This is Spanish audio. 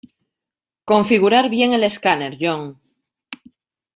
Configurar bien el escáner, John.